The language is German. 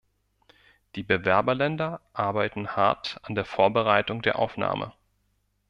Die Bewerberländer arbeiten hart an der Vorbereitung der Aufnahme.